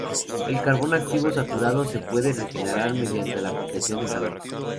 El carbón activo saturado se puede regenerar mediante la aplicación de calor.